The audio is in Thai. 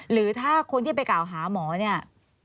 หรือถ้าคนที่ไปกล่าวหาหมอเนี่ย